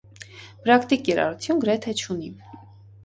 Պրակտիկ կիրառություն գրեթե չունի։